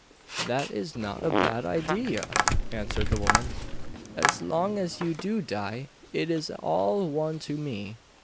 'That is not a bad idea,' answered the woman; 'as long as you do die, it is all one to me.